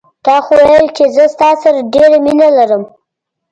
تا خو ویل چې زه ستا سره ډېره مینه لرم